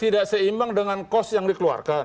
tidak seimbang dengan kos yang dikeluarkan